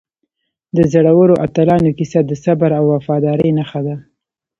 د زړورو اتلانو کیسه د صبر او وفادارۍ نښه ده.